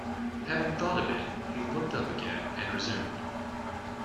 Having thought a bit, he looked up again and resumed.